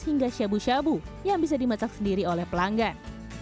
dan ada shabu shabu yang bisa dimasak sendiri oleh pelanggan